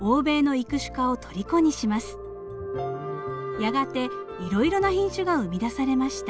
やがていろいろな品種が生み出されました。